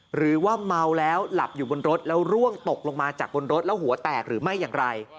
หรือว่าเมาแล้วหลับอยู่บนรถแล้วร่วงตกลงมาจากบนรถแล้วหัวแตกหรือไม่อย่างไร